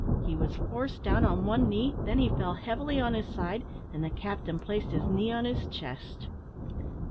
He was forced down on one knee, then he fell heavily on his side, and the captain placed his knee on his chest.